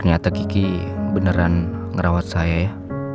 ternyata kiki beneran ngerawat saya ya